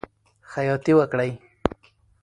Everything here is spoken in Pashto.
خیاطی وکړئ.